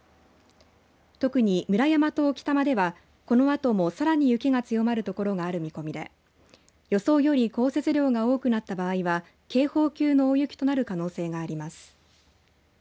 特に村山と置賜では、このあともさらに雪が強まる所がある見込みで予想より降雪量が多くなった場合は、警報級の大雪となる可能性があります。